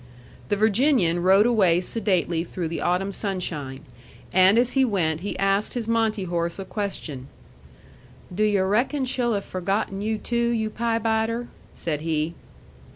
The Virginian rode away sedately through the autumn sunshine; and as he went he asked his Monte horse a question. "Do yu' reckon she'll have forgotten you too, you pie biter?" said he.